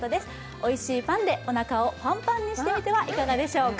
おいしいパンでおなかをパンパンにしてみてはいかがでしょうか。